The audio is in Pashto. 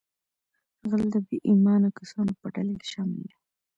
غل د بې ایمانه کسانو په ډله کې شامل دی